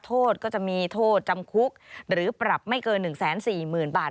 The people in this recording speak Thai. โทษก็จะมีโทษจำคุกหรือปรับไม่เกิน๑๔๐๐๐บาท